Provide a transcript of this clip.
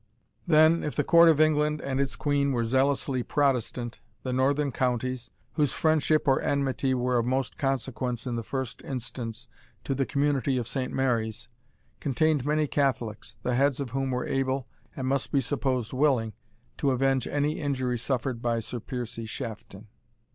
Then, if the Court of England and its Queen were zealously Protestant, the northern counties, whose friendship or enmity were of most consequence in the first instance to the community of Saint Mary's, contained many Catholics, the heads of whom were able, and must be supposed willing, to avenge any injury suffered by Sir Piercie Shafton.